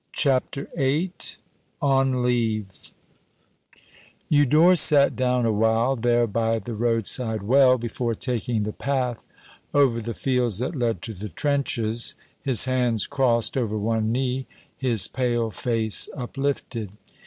S.C. Tr. VIII On Leave EUDORE sat down awhile, there by the roadside well, before taking the path over the fields that led to the trenches, his hands crossed over one knee, his pale face uplifted.